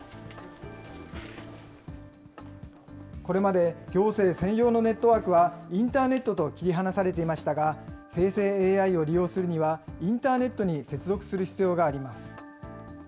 これまで、行政専用のネットワークは、インターネットと切り離されていましたが、生成ＡＩを利用するには、インターネットに接続する必要があります。